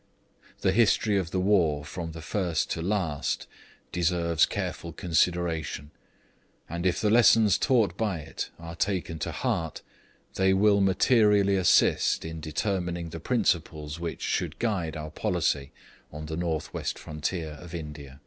The history of the war from first to last deserves careful consideration; and if the lessons taught by it are taken to heart, they will materially assist in determining the principles which, should guide our policy on the North West frontier of India.